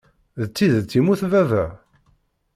D tidet yemmut baba?